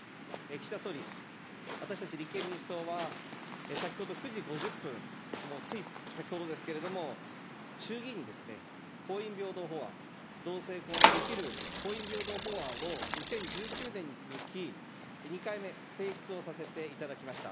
岸田総理、私たち立憲民主党は、先ほど９時５０分、もうつい先ほどですけれども、衆議院にですね、婚姻平等法案、同性婚ができる婚姻平等法案を２０１９年に続き、２回目提出をさせていただきました。